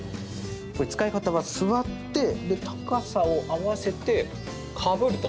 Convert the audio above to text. これ、使い方は座って高さを合わせて、かぶると。